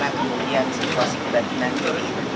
tapi komunikasi yang lebih berkembang dari sini